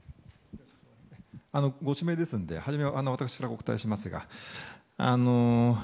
ご指名ですのではじめは私からお答えしますが。